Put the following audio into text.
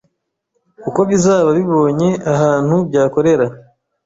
kuko bizaba bibonye ahantu byakorera